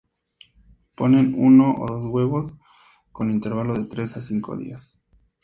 Ponen uno o dos huevos, con intervalo de tres a cinco días.